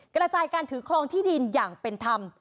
กระจายการถือครองที่ดินอย่างเป็นธรรม